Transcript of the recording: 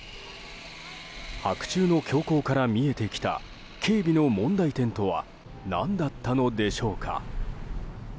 白昼の凶行から見えてきた警備の問題点とは何だったのでしょうか。